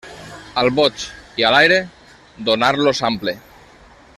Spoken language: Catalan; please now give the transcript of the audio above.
Al boig i a l'aire, donar-los ample.